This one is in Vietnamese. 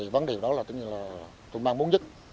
vấn đề đó là tôi mang muốn nhất